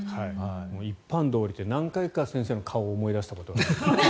一般道に降りてから何回か先生の顔を思い出したことがある。